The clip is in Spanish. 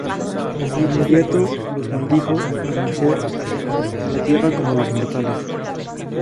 De inmediato los maldijo a nacer en la Tierra como los mortales.